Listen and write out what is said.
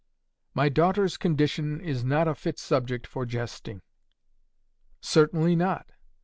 "'My daughter's condition is not a fit subject for jesting.' "'Certainly not.